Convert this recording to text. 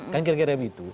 kan kira kira begitu